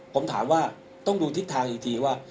ผมถามว่าต้องดูทิศทางอีกทีว่า